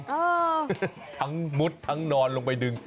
เออทั้งมุดทั้งนอนลงไปดึง